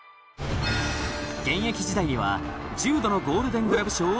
現役時代には１０度のゴールデン・グラブ賞を受賞。